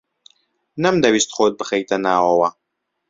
نەمدەویست خۆت بخەیتە ناوەوە.